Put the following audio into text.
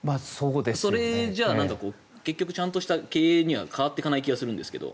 それじゃ結局ちゃんとした経営には変わっていかない気がするんですが。